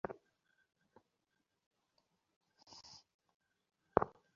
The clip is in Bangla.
শশী বলিল, হঠাৎ কাশী যাবেন কেন?